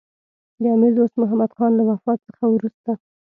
د امیر دوست محمدخان له وفات څخه وروسته.